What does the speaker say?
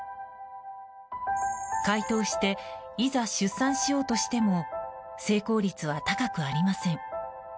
解凍していざ出産しようとしても成功率は高くありません。